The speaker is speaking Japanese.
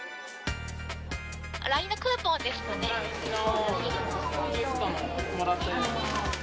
ＬＩＮＥのクーポンですかね？